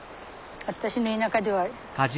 私の田舎では。